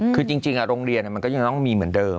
คือจริงโรงเรียนมันก็ยังต้องมีเหมือนเดิม